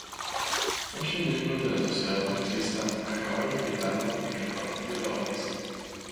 Muchos miembros de la Sociedad Marxista acabaron militando en el Partido Laborista.